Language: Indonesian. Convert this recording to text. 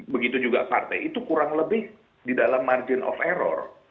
begitu juga partai itu kurang lebih di dalam margin of error